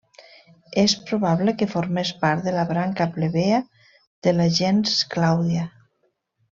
És probable que formés part de la branca plebea de la gens Clàudia.